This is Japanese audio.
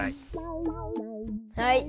はい。